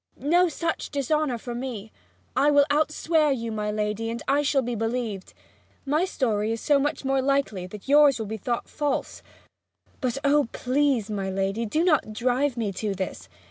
No such dishonour for me! I will outswear you, my lady; and I shall be believed. My story is so much the more likely that yours will be thought false. But, O please, my lady, do not drive me to this!